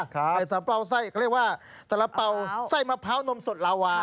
ก็เรียกว่าสาระเปาใส้มะพร้าวนมสดลาวา